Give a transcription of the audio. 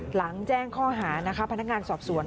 หลังแจ้งข้อหานะคะพนักงานสอบสวน